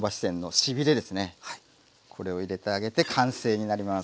これを入れてあげて完成になります。